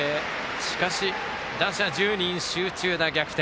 しかし、打者１０人集中打、逆転。